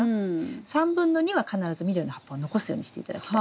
３分の２は必ず緑の葉っぱを残すようにして頂きたい。